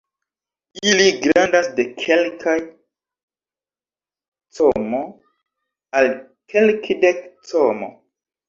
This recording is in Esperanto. Ili grandas de kelkaj cm al kelkdek cm.